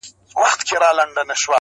رنګ په رنګ به یې راوړله دلیلونه!!